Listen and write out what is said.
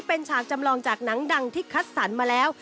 เป็นฉากจำลองจากหนังดังที่คัดสรรมาแล้ว